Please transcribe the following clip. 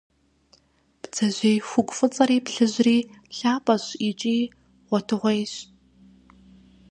Бдзэжьей хугу фӏыцӏэри плъыжьри лъапӏэщ икӏи гъуэтыгъуейщ.